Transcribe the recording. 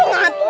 ih geseh kan